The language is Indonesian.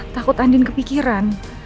takut andin kepikiran